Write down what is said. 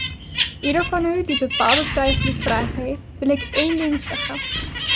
Ieder van u die bepaalde twijfels of vragen heeft, wil ik één ding zeggen.